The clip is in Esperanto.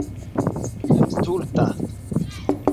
stulta